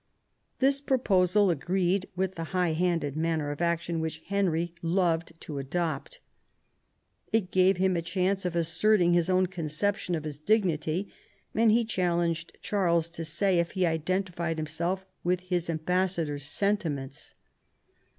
This proposal agreed with the high handed manner of action which Henry loved to adopt. It gave him a chance of asserting his own conception of his dignity, and he challenged Charles to say if he identified himself with his ambassador's sentiments.